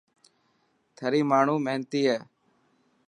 ٿري ماڻهو محنتي هي.